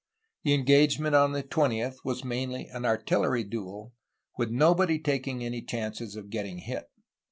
The engagement on the 20th was mainly an artillery duel, with nobody taking any chances of getting hit.